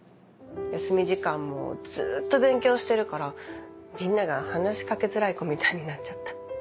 休み時間もずっと勉強してるからみんなが話しかけづらい子みたいになっちゃった。